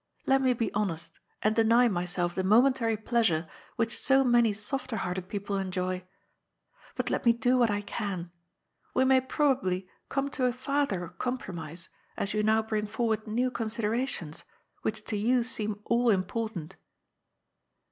Let me be honest and deny myself the momentary pleasure which so many softer hearted people enjoy. But let me do what I can. We may probably come to a farther compro mise, as you now bring forward new considerations, which to you seem all important.